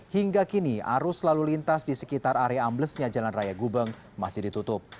hingga kini arus lalu lintas di sekitar area amblesnya jalan raya gubeng masih ditutup